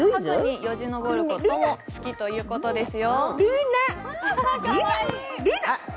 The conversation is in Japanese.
よじ登ることも好きだということですよ。